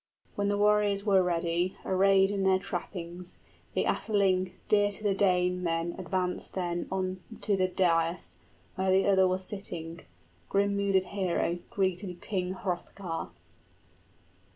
When the warriors were ready, arrayed in their trappings, The atheling dear to the Danemen advanced then On to the dais, where the other was sitting, 70 Grim mooded hero, greeted King Hrothgar.